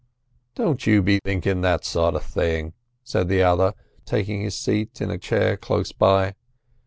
"Don't you be thinking that sort of thing," said the other, taking his seat in a chair close by.